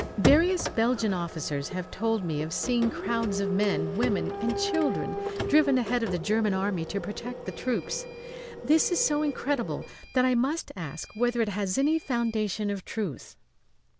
"Various Belgian officers have told me of seeing crowds of men, women and children driven ahead of the German Army to protect the troops. This is so incredible that I must ask whether it has any foundation of truth."